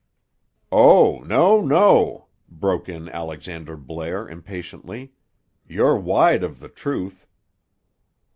"Oh, no, no!" broke in Alexander Blair impatiently. "You're wide of the truth."